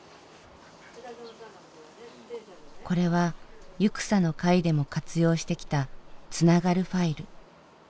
これはゆくさの会でも活用してきた「つながるファイル」。